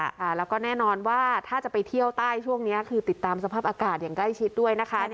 แล้วก็แน่นอนว่าถ้าจะไปเที่ยวใต้ช่วงนี้คือติดตามสภาพอากาศอย่างใกล้ชิดด้วยนะคะ